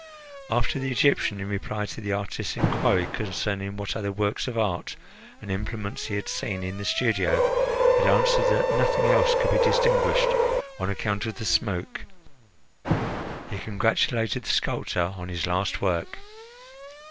After the Egyptian, in reply to the artist's inquiry concerning what other works of art and implements he had seen in the studio, had answered that nothing else could be distinguished on account of the smoke, he congratulated the sculptor on his last work.